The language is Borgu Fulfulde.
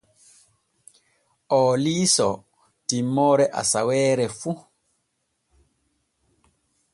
Oo liisoo timmoode asaweere fu.